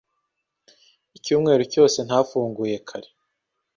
Icyumweru cyose ntafunguye kare.